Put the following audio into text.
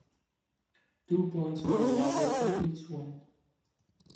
Two points were awarded for each win.